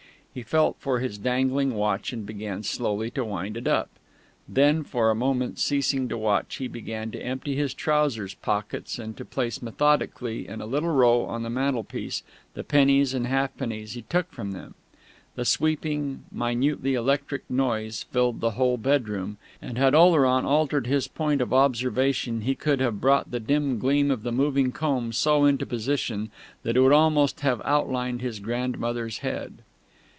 He felt for his dangling watch and began slowly to wind it up. Then, for a moment ceasing to watch, he began to empty his trousers pockets and to place methodically in a little row on the mantelpiece the pennies and halfpennies he took from them. The sweeping, minutely electric noise filled the whole bedroom, and had Oleron altered his point of observation he could have brought the dim gleam of the moving comb so into position that it would almost have outlined his grandmother's head.